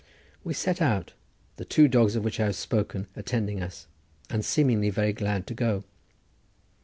We set out, the two dogs of which I have spoken attending us and seemingly very glad to go.